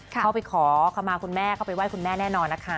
เข้าไปขอคำมาคุณแม่เข้าไปไห้คุณแม่แน่นอนนะคะ